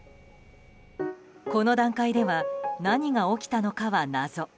この段階では何が起きたのかは謎。